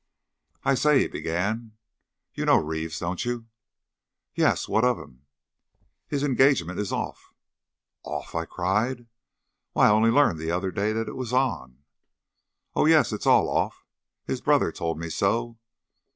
"I say," he began, "you know Reeves, don't you?" "Yes. What of him?" "His engagement is off." "Off!" I cried. "Why, I only learned the other day that it was on." "Oh, yes it's all off. His brother told me so.